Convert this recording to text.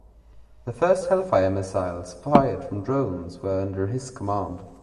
The first Hellfire missiles fired from drones were under his command.